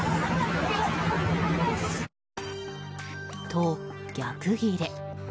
と、逆ギレ。